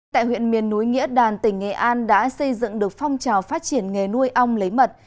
tại huyện miền núi nghĩa đàn tỉnh nghệ an đã xây dựng được phong trào phát triển nghề nuôi ong lấy mật